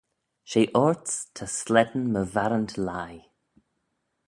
She orts ta slane my varrant lhie.